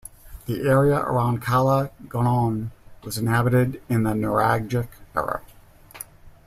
The area around Cala Gonone was inhabited in the Nuragic Era.